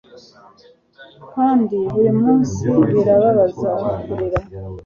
kandi burimunsi birababaza kurira